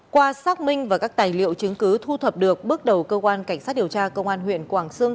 qua xác minh và các tài liệu chứng cứ thu thập được bước đầu cơ quan cảnh sát điều tra công an huyện quảng sương